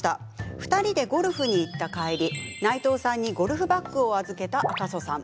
２人でゴルフに行った帰り内藤さんにゴルフバッグを預けた赤楚さん。